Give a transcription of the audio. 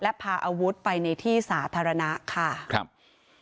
และพาอาวุธไปในที่สาธารณะค่ะครับ